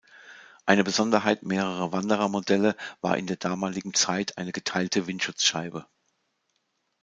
Eine Besonderheit mehrerer Wanderer-Modelle war in der damaligen Zeit eine geteilte Windschutzscheibe.